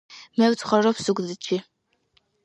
მე ვცხოვრობ ზუგდიდში